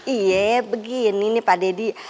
iya begini nih pak deddy